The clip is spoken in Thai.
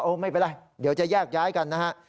ไม่เป็นไรเดี๋ยวจะแยกย้ายกันนะฮะ